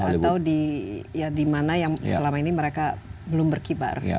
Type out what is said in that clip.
atau di mana yang selama ini mereka belum berkibar